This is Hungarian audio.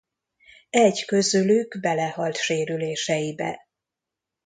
Egy közülük belehalt sérüléseibe.